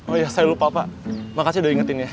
oh ya saya lupa pak makasih udah ingetin ya